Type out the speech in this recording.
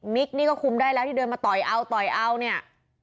มิกนี่ก็คุมได้แล้วที่เดินมาต่อยเอาเนี่ย